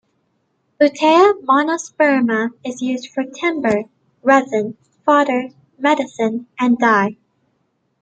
"Butea monosperma" is used for timber, resin, fodder, medicine, and dye.